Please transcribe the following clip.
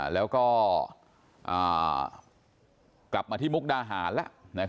แล้วก็กลับมาที่มุกดาหารแล้ว